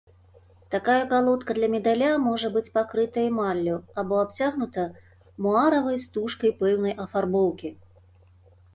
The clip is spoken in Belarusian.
Такая калодка для медаля можа быць пакрытая эмаллю, або абцягнута муаравай стужкай пэўнай афарбоўкі.